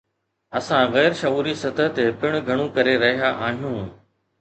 اسان غير شعوري سطح تي پڻ گهڻو ڪري رهيا آهيون.